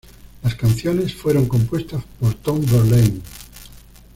Las canciones fueron compuestas por Tom Verlaine.